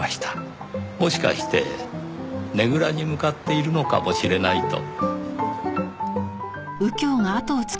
もしかしてねぐらに向かっているのかもしれないと。